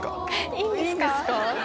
いいんですか？